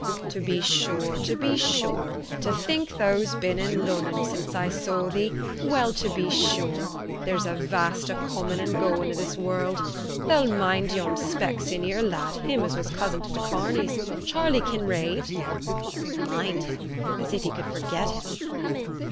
'To be sure to be sure. To think thou's been in Lunnon sin' I saw thee! well to be sure! There's a vast o' coming and going i' this world. Thou'll mind yon specksioneer lad, him as was cousin to t' Corneys Charley Kinraid?' Mind him! As if he could forget him.